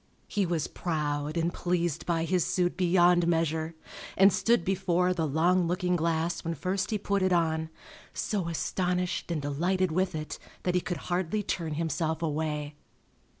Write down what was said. He was proud and pleased by his suit beyond measure, and stood before the long looking glass when first he put it on, so astonished and delighted with it that he could hardly turn himself away.